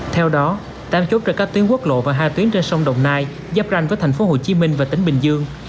theo đó tám chốt trên các tuyến quốc lộ và hai tuyến trên sông đồng nai giáp ranh với thành phố hồ chí minh và tỉnh bình dương